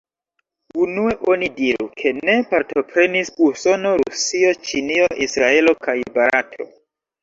Unue oni diru, ke ne partoprenis Usono, Rusio, Ĉinio, Israelo kaj Barato.